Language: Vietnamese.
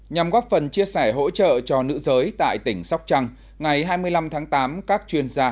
nhằm góp phần chia sẻ hỗ trợ cho nữ giới tại tỉnh sóc trăng ngày hai mươi năm tháng tám các chuyên gia